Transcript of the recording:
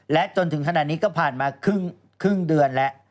และจนถึงขนาดนี้ก็ผ่านมาครึ่งเดือนแล้ว